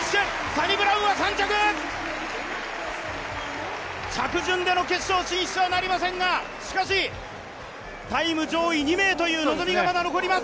サニブラウンは３着、着順での決勝進出はなりませんがしかし、タイム上位２名という望みがまだ残ります。